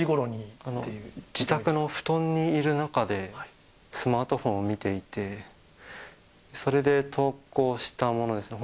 自宅の布団にいる中で、スマートフォンを見ていて、それで投稿したものですね。